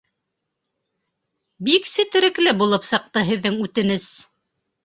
Бик сетерекле булып сыҡты һеҙҙең үтенес.